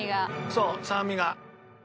そう酸味が。